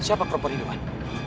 siapa perempuan itu wan